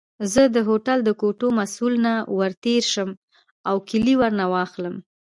زه د هوټل د کوټو مسؤل ته ورتېر شم او کیلۍ ورنه واخلم.